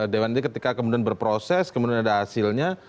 dewan ini ketika kemudian berproses kemudian ada hasilnya